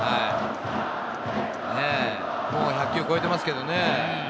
もう１００球超えてますけどね。